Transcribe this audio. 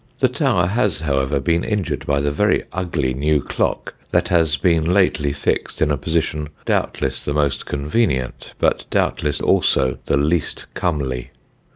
The tower has, however, been injured by the very ugly new clock that has been lately fixed in a position doubtless the most convenient but doubtless also the least comely.